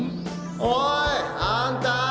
おいあんた！